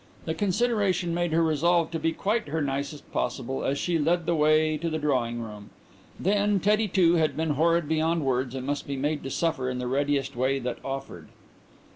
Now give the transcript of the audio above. The consideration made her resolve to be quite her nicest possible, as she led the way to the drawing room. Then Teddy, too, had been horrid beyond words and must be made to suffer in the readiest way that offered.